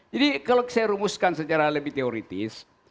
jadi kalau saya rumuskan secara lebih teoritis